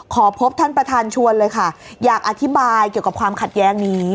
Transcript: ขอพบท่านประธานชวนเลยค่ะอยากอธิบายเกี่ยวกับความขัดแย้งนี้